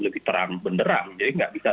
lebih terang benderang jadi nggak bisa